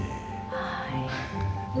はい。